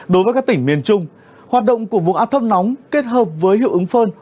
đối với các tỉnh miền trung hoạt động của vùng áp thấp nóng kết hợp với hiệu ứng phơn